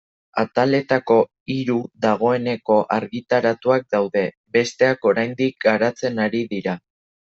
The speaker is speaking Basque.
Ataletako hiru dagoeneko argitaratuak daude, besteak oraindik garatzen ari dira.